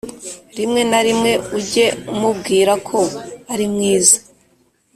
rimwe na rimwe ujye umubwira ko arimwiza